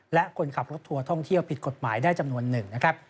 และคนขับรถทัวร์ท่องเที่ยวผิดกฎหมายได้จำนวนหนึ่งนะครับ